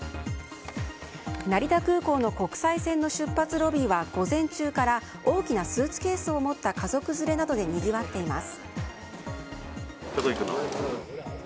成田空港の国際線の出発ロビーは午前中から大きなスーツケースを持った家族連れなどでにぎわっています。